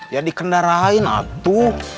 ya dikendarain atu